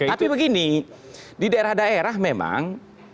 tapi begini di daerah daerah memang